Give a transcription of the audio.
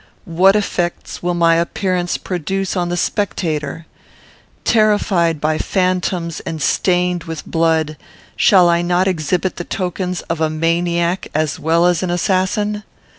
What effects will my appearance produce on the spectator? Terrified by phantoms and stained with blood, shall I not exhibit the tokens of a maniac as well as an assassin?